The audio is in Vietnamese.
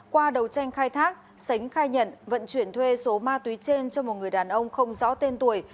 qua đầu tranh khai thác sánh khai nhận vận chuyển thuê số ma túy trên cho một người đàn ông không rõ tên tuổi